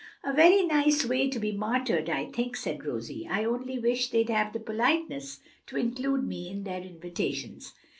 "A very nice way to be martyred, I think," said Rosie. "I only wish they'd have the politeness to include me in their invitations."